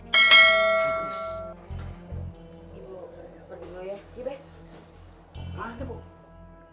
ibu pergi dulu ya